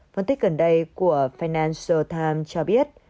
phân tích gần đây của financial times cho biết